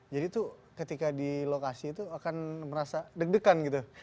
jadi tuh ketika di lokasi tuh akan merasa deg degan gitu